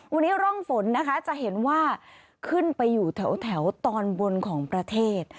วันนี้ร่องฝนนะคะจะเห็นว่าขึ้นไปอยู่แถวตอนบนของประเทศ